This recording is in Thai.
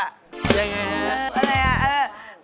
อะไรอ่ะ